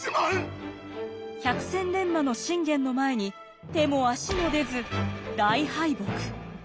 百戦錬磨の信玄の前に手も足も出ず大敗北。